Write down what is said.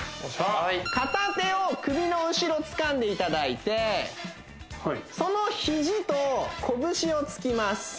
片手を首の後ろつかんでいただいてそのヒジと拳をつきます